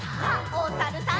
おさるさん。